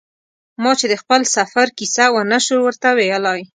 ما چې د خپل سفر کیسه و نه شو ورته ویلای.